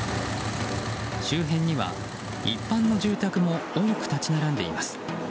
周辺には一般の住宅も多く立ち並んでいます。